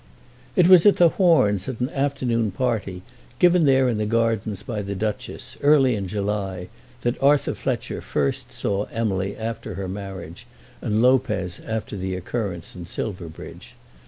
It was at the Horns at an afternoon party, given there in the gardens by the Duchess, early in July, that Arthur Fletcher first saw Emily after her marriage, and Lopez after the occurrence in Silverbridge.